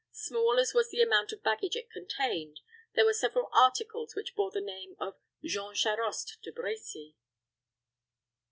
Small as was the amount of baggage it contained, there were several articles which bore the name of "Jean Charost de Brecy."